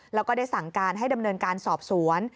แล้วก็ได้สั่งการให้ดำเนินการสอบสวน